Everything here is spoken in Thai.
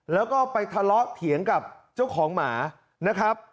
แล้วก็ไปทะเลาะเถียงกับเจ้าของหมานะครับ